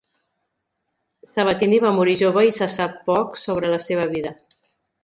Sabatini va morir jove i se sap poc sobre la seva vida.